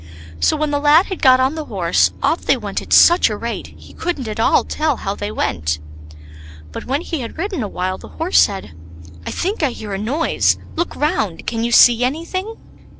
So when the lad had got on the horse, off they went at such a rate, he couldn't at all tell how they went. But when he had ridden awhile, the Horse said, "I think I hear a noise; look round! can you see anything?"